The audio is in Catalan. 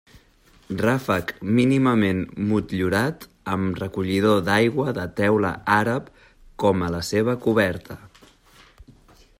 Ràfec mínimament motllurat amb recollidor d'aigua de teula àrab, com a la seva coberta.